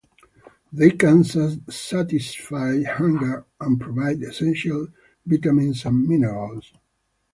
They can satisfy hunger and provide essential vitamins and minerals.